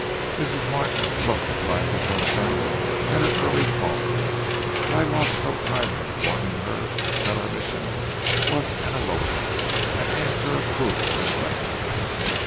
Mrs. Martin looked a trifle dumfounded at her early callers, but I lost no time in informing her that our mission was an elopement, and asked her approval and blessing.